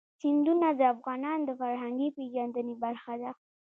سیندونه د افغانانو د فرهنګي پیژندنې برخه ده.